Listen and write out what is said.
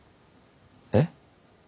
えっ？